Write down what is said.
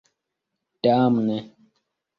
Damne.